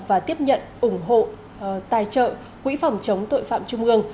và tiếp nhận ủng hộ tài trợ quỹ phòng chống tội phạm trung ương